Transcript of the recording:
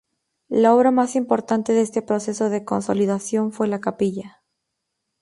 La obra más importante de este proceso de consolidación fue la capilla.